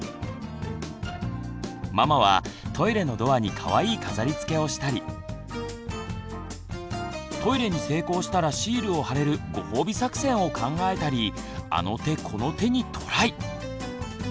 ママはトイレのドアにかわいい飾りつけをしたりトイレに成功したらシールを貼れるご褒美作戦を考えたりあの手この手にトライ！